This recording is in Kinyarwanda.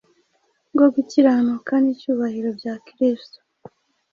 bwo gukiranuka n’icyubahiro bya Kristo,